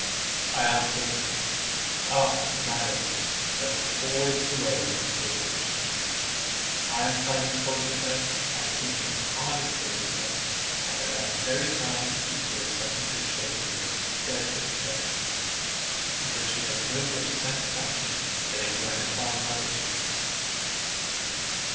I answered, "Ah! Madam, that's always the way with the dear creature. I am finding fault with her and thinking the hardest things of her; and at that very time she's doing something to shew the most delicate attention, and that she has no greater satisfaction than in gratifying my wishes!"